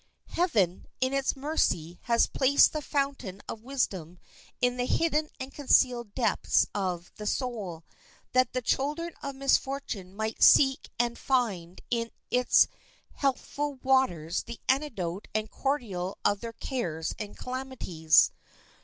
Heaven, in its mercy, has placed the fountain of wisdom in the hidden and concealed depths of the soul, that the children of misfortune might seek and find in its healthful waters the antidote and cordial of their cares and calamities.